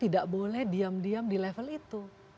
tidak boleh diam diam di level itu